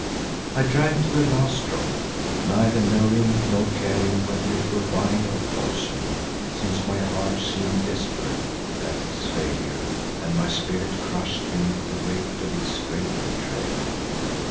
I drank to the last drop, neither knowing nor caring whether it were wine or poison, since my heart seemed desperate at its failure and my spirit crushed beneath the weight of its great betrayal.